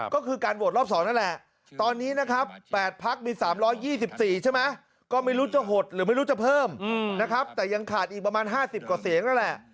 ก็คือการโหวตรอบ๒นั่นแหละตอนนี้นะครับ๘พักมี๓๒๔ใช่ไหมก็ไม่รู้จะหดหรือไม่รู้จะเพิ่มนะครับแต่ยังขาดอีกประมาณ๕๐กว่าเสียงนั่นแหละ